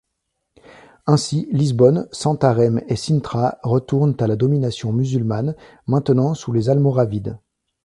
Ainsi Lisbonne, Santarém et Sintra retournent à la domination musulmane, maintenant sous les Almoravides.